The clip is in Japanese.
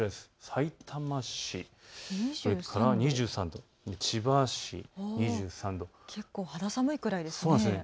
さいたま市千葉市で２３度、結構肌寒いくらいですね。